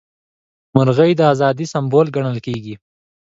مرغۍ د ازادۍ سمبول ګڼل کیږي.